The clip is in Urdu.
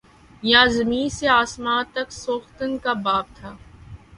یاں زمیں سے آسماں تک سوختن کا باب تھا